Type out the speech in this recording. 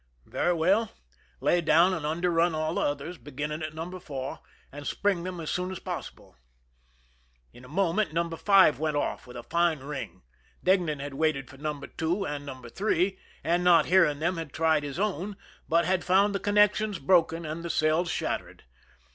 " Very well ; lay down and underrun all the others, beginning at No. 4, and spring them as soon as possible." In a moment No. 5 went off with a fine ring. Deignan had waited for No. 2 and No. 3, and not hearing them had tried his own, but had found the connections broken and the cells shattered.